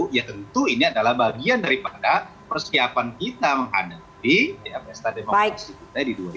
ya tentu ini adalah bagian daripada persiapan kita menghadapi pesta demokrasi kita di dua ribu dua puluh